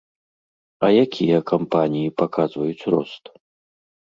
А якія кампаніі паказваюць рост?